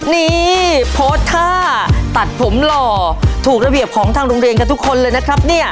นี่โพสต์ท่าตัดผมหล่อถูกระเบียบของทางโรงเรียนกันทุกคนเลยนะครับเนี่ย